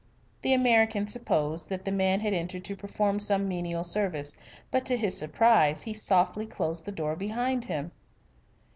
The American supposed that the man had entered to perform some menial service, but to his surprise he softly closed the door behind him.